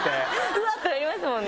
うわっ！ってなりますもんね。